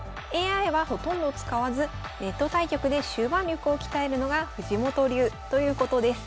ＡＩはほとんど使わずネット対局で終盤力を鍛えるのが藤本流ということです。